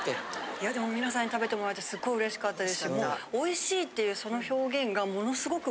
いやでも皆さんに食べてもらえてすごい嬉しかったですしもう。